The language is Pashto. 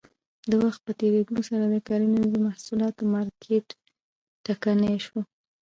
د وخت په تېرېدو سره د کرنیزو محصولاتو مارکېټ ټکنی شو.